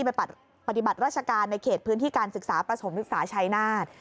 ไปปฏิบัติราชการในเขตพื้นที่การศึกษาประถมศึกษาชัยนาธ